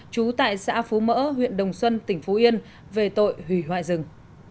trú tại xã phú mỡ huyện đồng xuân tỉnh phú yên về tội hủy hoại rừng